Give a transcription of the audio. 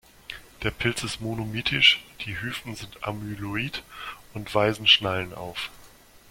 Der Pilz ist monomitisch, die Hyphen sind amyloid und weisen Schnallen auf.